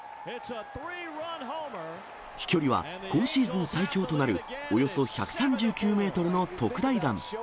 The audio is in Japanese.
飛距離は今シーズン最長となる、およそ１３９メートルの特大弾。